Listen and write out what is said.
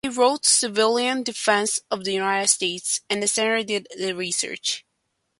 He wrote "Civilian Defense of the United States" and Carter did the research.